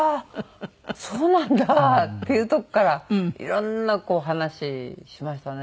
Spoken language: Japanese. そうなんだ」っていうところからいろんなこう話しましたね。